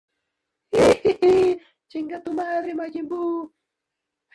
El centro urbano estaba a salvo de las inundaciones que afectaban la comarca.